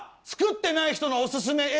作ってない人のオススメ